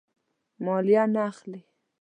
مالیه نه اخلي.